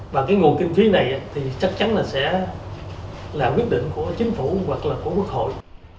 và cái nguồn kinh phí này thì chắc chắn là sẽ là quyết định của chính phủ hoặc là của quốc hội